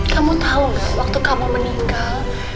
kamu tau gak waktu kamu meninggal